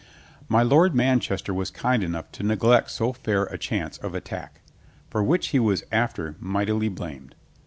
My Lord Manchester was kind enough to neglect so fair a chance of attack. For which he was after mightily blamed.